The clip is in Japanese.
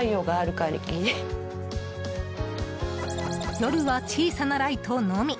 夜は小さなライトのみ。